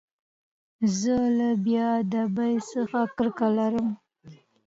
زه له بېادبۍ څخه کرکه لرم.